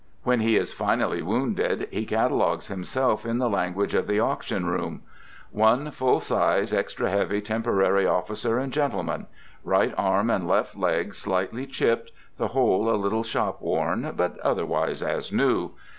When he is finally wounded, he catalogues himself in the language of the auction room :" One full size, extra heavy Temporary Officer and Gentleman; right arm and left leg slightly chipped, the whole a little shop worn, but otherwise as new.